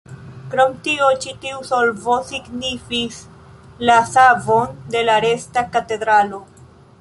Krom tio ĉi tiu solvo signifis la savon de la resta katedralo.